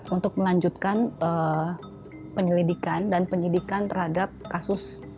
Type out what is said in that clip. untuk melanjutkan penyelidikan dan penyidikan terhadap kasus